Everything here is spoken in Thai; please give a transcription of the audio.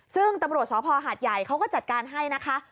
ซึ่งตำรวจสภหาดใหญ่เขาก็จัดการให้นะคะ